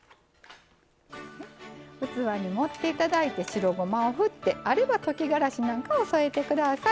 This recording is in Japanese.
器に盛っていただいて白ごまを振ってあれば溶きがらしなんかを添えてください。